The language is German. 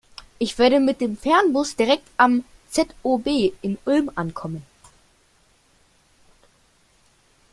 Ich werde mit dem Fernbus direkt am ZOB in Ulm ankommen.